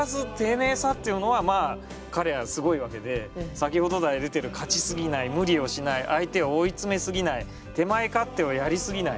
先ほど来出てる勝ち過ぎない無理をしない相手を追い詰め過ぎない手前勝手をやりすぎない。